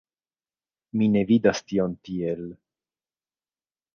Mi ne vidas tion tiel.